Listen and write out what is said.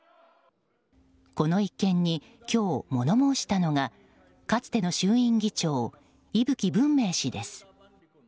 この一件に今日、物申したのがかつての衆院議長伊吹文明氏です。